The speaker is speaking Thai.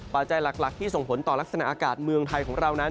ปัจจัยหลักที่ส่งผลต่อลักษณะอากาศเมืองไทยของเรานั้น